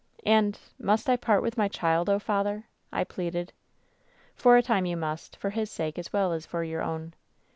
" 'And — must I part with my child, oh, father V I pleaded. " 'For a time you must — for his sake as well as for your own.